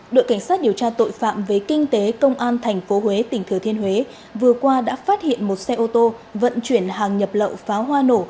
đội cảnh sát điều tra tội phạm về kinh tế công an tp huế tỉnh thừa thiên huế vừa qua đã phát hiện một xe ô tô vận chuyển hàng nhập lậu pháo hoa nổ